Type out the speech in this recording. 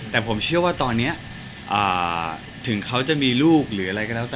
แต่ผมเชื่อว่าตอนนี้ถึงเขาจะมีลูกหรืออะไรก็แล้วแต่